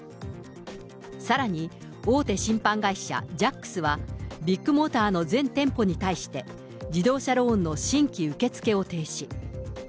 さらに、大手信販会社、ジャックスは、ビッグモーターの全店舗に対して、自動車ローンの新規受け付けを停止。